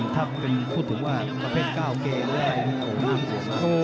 ถ้าพูดถึงว่าประเภทก้าวเกย์น่ากลัวมาก